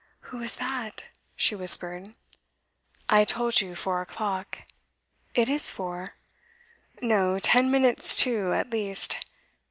'Who was that?' she whispered. 'I told you four o'clock.' 'It is four.' 'No ten minutes to at least.